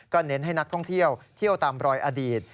เน้นให้นักท่องเที่ยวเที่ยวตามรอยอดีต